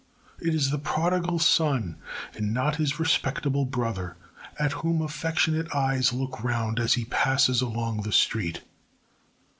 It is the prodigal son, and not his respectable brother, at whom affectionate eyes look round as he passes along the street.